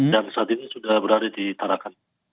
dan saat ini sudah berada di tarakan